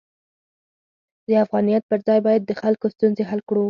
د افغانیت پر ځای باید د خلکو ستونزې حل کړو.